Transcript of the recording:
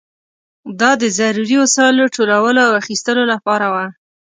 دا د ضروري وسایلو ټولولو او اخیستلو لپاره وه.